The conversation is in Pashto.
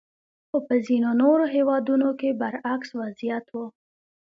خو په ځینو نورو هېوادونو برعکس وضعیت وو.